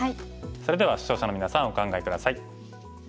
それでは視聴者のみなさんお考え下さい。